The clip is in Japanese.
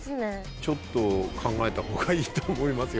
ちょっと考えた方がいいと思いますよ